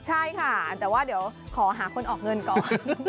ใช่ค่ะแต่ว่าเดี๋ยวขอหาคนออกเงินก่อน